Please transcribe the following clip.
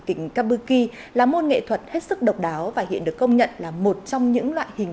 kịch kabuki là môn nghệ thuật hết sức độc đáo và hiện được công nhận là một trong những loại hình